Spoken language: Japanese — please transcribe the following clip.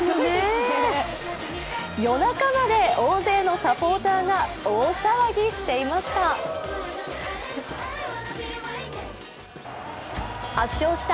夜中まで大勢のサポーターが大騒ぎしていました。